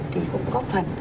thì cũng có phần